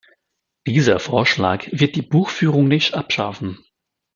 Dieser Vorschlag wird die Buchführung nicht abschaffen.